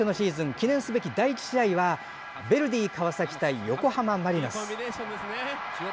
記念すべき第１試合はヴェルディ川崎対横浜マリノス。